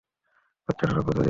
বাচ্চা এড়ানোর পদ্ধতি আছে।